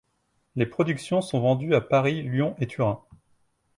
Les productions sont vendues à Paris, Lyon et Turin.